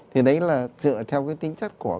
thì đấy là dựa theo cái tính chất của